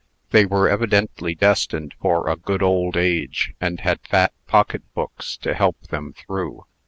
They were evidently destined for a good old age, and had fat pocket books to help them through.